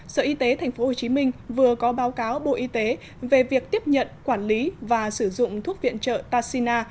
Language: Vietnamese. sở y tế tp hcm vừa có báo cáo bộ y tế về việc tiếp nhận quản lý và sử dụng thuốc viện trợ taxina